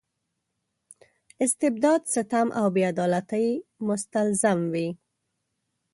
استبداد ستم او بې عدالتۍ مستلزم وي.